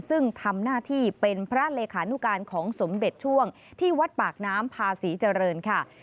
ซึ่งทำหน้าที่เป็นพระเลขานุการของสมเด็จช่วงที่วัดปากน้ำพาศรีเจริญค่ะ